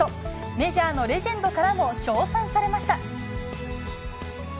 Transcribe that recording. メジャーのレジェンドからも称賛されました。